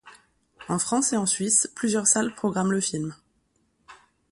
En France et en Suisse, plusieurs salles programment le film.